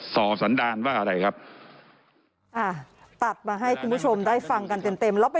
สอสันดานว่าอะไรครับ